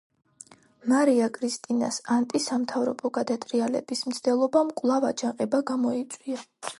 მარია კრისტინას ანტი სამთავრობო გადატრიალების მცდელობამ კვალვ აჯანყება გამოიწვია.